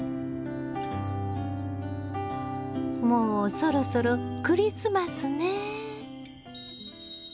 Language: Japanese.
もうそろそろクリスマスね。